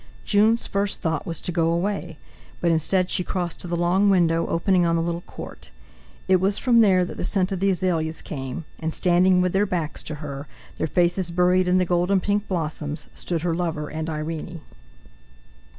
Jun's first thought was to go away, but instead she crossed to the long window opening on the little court. It was from there that the scent of the azaleas came, and, standing with their backs to her, their faces buried in the golden pink blossoms, stood her lover and Irene.